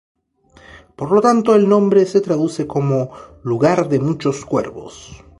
Por lo tanto, el nombre se traduce como "lugar de muchos cuervos".